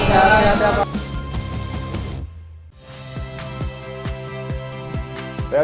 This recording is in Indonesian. terima kasih pak nis